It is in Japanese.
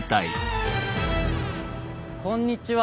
こんにちは。